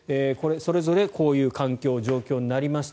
それぞれこういう環境、状況になりました。